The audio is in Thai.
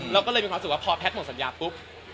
เราก็เลยมีความรู้สึกว่าพอแพทย์หมดสัญญาปุ๊บ